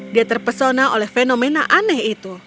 dia terpesona oleh fenomena aneh itu